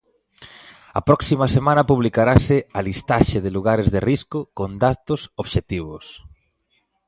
A próxima semana publicarase a listaxe de lugares de risco con datos "obxectivos".